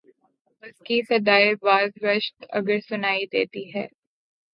اس کی صدائے بازگشت اگر سنائی دیتی ہے۔